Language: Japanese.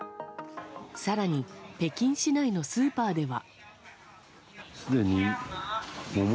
更に、北京市内のスーパーでは。